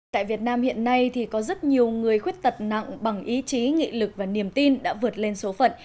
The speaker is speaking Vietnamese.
tại việt nam hiện nay thì có rất nhiều người khuyết tật nặng bằng ý chí nghị lực và niềm tin đã vượt lên số phận